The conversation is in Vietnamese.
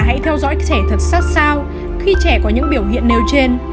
hãy theo dõi trẻ thật sát sao khi trẻ có những biểu hiện nêu trên